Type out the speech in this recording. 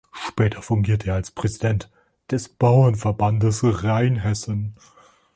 Später fungierte er als Präsident des Bauernverbandes Rheinhessen.